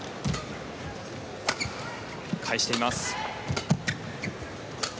返しています。